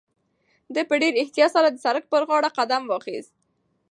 ده په ډېر احتیاط سره د سړک پر غاړه قدم واخیست.